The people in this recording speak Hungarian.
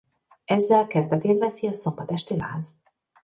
Ezzel kezdetét veszi a szombat esti láz.